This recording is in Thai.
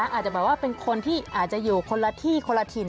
อาจจะแบบว่าเป็นคนที่อาจจะอยู่คนละที่คนละถิ่น